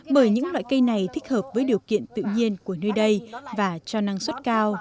bởi những loại cây này thích hợp với điều kiện tự nhiên của nơi đất